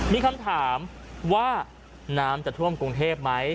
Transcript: มีคำถามว่าน้ำจะท่วมกรุงเทพไหม